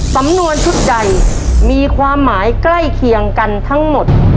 สำนวนชุดใดมีความหมายใกล้เคียงกันทั้งหมด